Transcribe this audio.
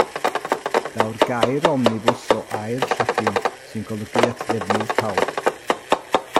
Daw'r gair Omnibws o air Lladin sy'n golygu at ddefnydd pawb.